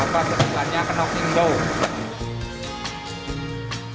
apa sebetulnya knocking dough